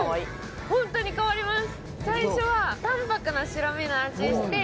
ホントに変わります。